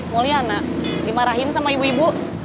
moli anak dimarahin sama ibu ibu